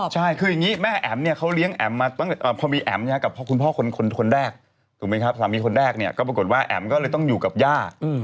ใช่คืออย่างนี้แม่แอ๋มเนี่ยเขาเลี้ยงแอ๋มมาตั้งแต่พอมีแอ๋มกับคุณพ่อคนแรกถูกไหมครับสามีคนแรกเนี่ยก็ปรากฏว่าแอ๋มก็เลยต้องอยู่กับย่า